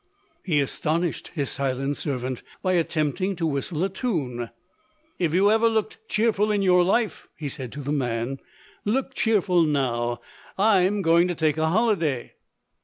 He astonished his silent servant by attempting to whistle a tune. "If you ever looked cheerful in your life," he said to the man, "look cheerful now. I'm going to take a holiday!"